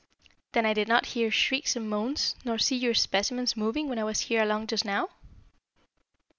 "Then I did not hear shrieks and moans, nor see your specimens moving when I was here along just now?"